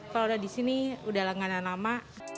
kalau disini udah langganan lama